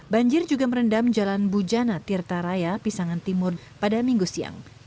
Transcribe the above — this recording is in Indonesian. banjir juga merendam jalan bujana tirta raya pisangan timur pada minggu siang